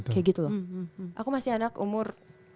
kayak gitu aku masih anak umur